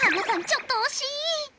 ちょっと惜しい。